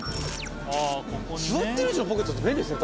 座ってる位置のポケットって便利っすね